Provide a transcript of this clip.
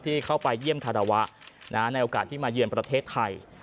เข้าไปเยี่ยมคารวะในโอกาสที่มาเยือนประเทศไทย